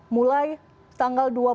mulai tanggal dua puluh